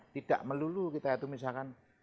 tidak melulu kita itu misalkan